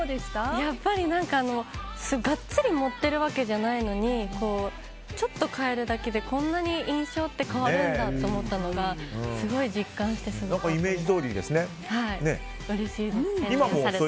やっぱりガッツリ盛っているわけじゃないのにちょっと変えるだけでこんなに印象って変わるんだと思ったのがすごく実感しました。